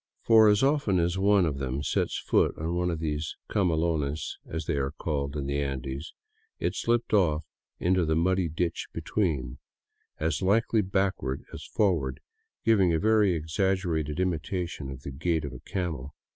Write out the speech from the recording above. For as often as one of them set foot on one of these camelones, as they are called in the Andes, it slipped off into the muddy ditch between, as likely backward as for ward, giving a very exaggerated imitation of the gait of a camel.